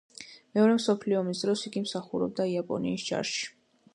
მეორე მსოფლიო ომის დროს იგი მსახურობდა იაპონიის ჯარში.